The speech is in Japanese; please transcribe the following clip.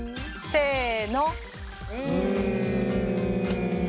せの！